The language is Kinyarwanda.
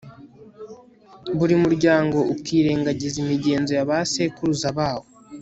buri muryango ukirengagiza imigenzo y'abasekuruza bawo